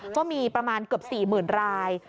ก็มีประมาณเกือบ๔๐๐๐ราย